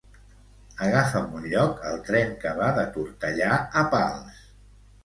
Agafa'm un lloc al tren que va de Tortellà a Pals.